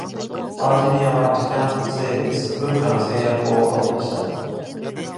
バージニアは時間、性別、文化の制約を突破した。